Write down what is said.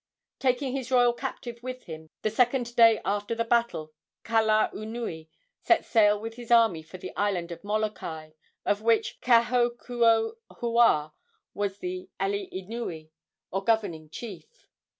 Taking his royal captive with him, the second day after the battle Kalaunui set sail with his army for the island of Molokai, of which Kahokuohua was the alii nui, or governing chief.